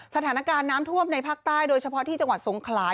สถานการณ์น้ำท่วมในภาคใต้โดยเฉพาะที่จังหวัดสงขลา